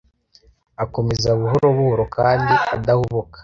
Akomeza buhoro buhoro kandi adahubuka.